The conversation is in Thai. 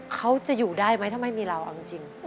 เขาจะอยู่ได้มั้ยถ้าไม่มีเราอ่ะจริงมี่